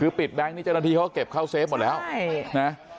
คือปิดแบงค์นี่เจ้าหน้าที่เขาก็เก็บเข้าเฟฟหมดแล้วนะ